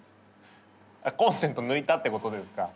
コンセント抜いたってことですか？